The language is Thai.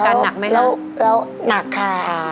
อาการหนักไหมครับแล้วหนักค่ะ